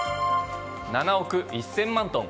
７億１０００万トン。